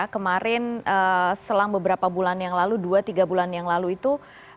kemarin selang beberapa bulan yang lalu dua tiga bulan yang lalu itu